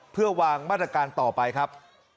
เพื่อวางมาตรการต่อไปครับ